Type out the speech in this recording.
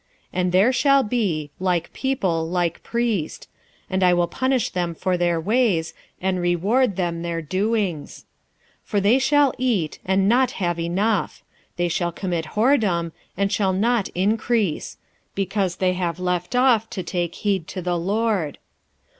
4:9 And there shall be, like people, like priest: and I will punish them for their ways, and reward them their doings. 4:10 For they shall eat, and not have enough: they shall commit whoredom, and shall not increase: because they have left off to take heed to the LORD.